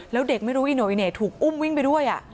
แล้วเด็กไม่รู้อิโนอิเน่ถูกอุ้มวิ่งไปด้วย